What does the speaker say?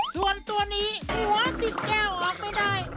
ส่วนตัวนี้หัวติดแก้วออกไม่ได้